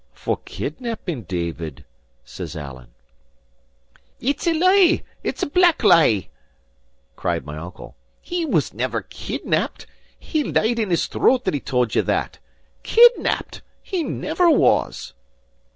"For kidnapping David," says Alan. "It's a lee, it's a black lee!" cried my uncle. "He was never kidnapped. He leed in his throat that tauld ye that. Kidnapped? He never was!"